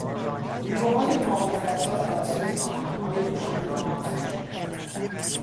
نیروهای ما غفلتا توسط تانکهای دشمن محاصره شد.